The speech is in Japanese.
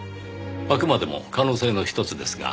あくまでも可能性のひとつですが。